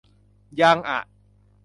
ยังอ่ะ